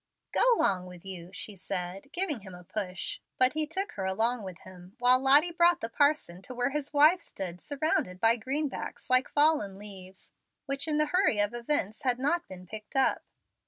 "Go 'long with you," she said, giving him a push; but he took her along with him, while Lottie brought the parson to where his wife stood surrounded by greenbacks like fallen leaves, which in the hurry of events had not been picked up.